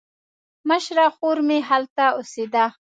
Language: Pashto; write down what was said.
مشره خور مې هلته اوسېده.